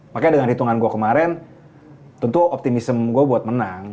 makanya dengan hitungan gue kemarin tentu optimism gue buat menang